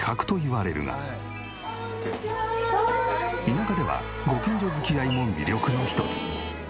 田舎ではご近所付き合いも魅力の一つ。